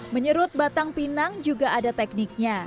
menyerut batang pinang juga ada tekniknya